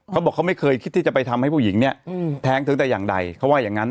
เขาบอกเขาไม่เคยคิดที่จะไปทำให้ผู้หญิงเนี่ยแท้งเธอแต่อย่างใดเขาว่าอย่างนั้น